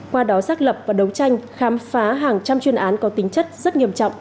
qua đó xác lập và đấu tranh khám phá hàng trăm chuyên án có tính chất rất nghiêm trọng